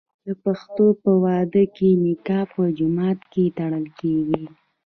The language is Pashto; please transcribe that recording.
د پښتنو په واده کې نکاح په جومات کې تړل کیږي.